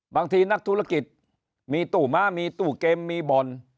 บางทีนักธุรกิจมีตู้ม้ามีตู้เกมมีบ่อน